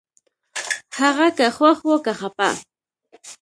هغه که خوښ و که خپه